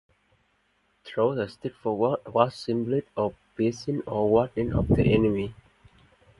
Throwing the sticks forward was symbolic of piercing or warding off the enemy.